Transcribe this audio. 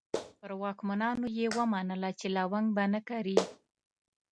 پر واکمنانو یې ومنله چې لونګ به نه کري.